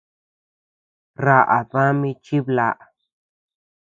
Raʼa dami chiblaʼa.